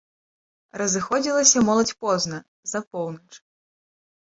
Разыходзілася моладзь позна, за поўнач.